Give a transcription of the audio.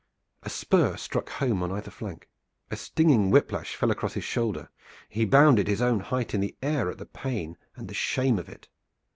A spur struck home on either flank. A stinging whip lash fell across his shoulder. He bounded his own height in the air at the pain and the shame of it.